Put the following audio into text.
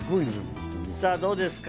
さぁ、どうですか？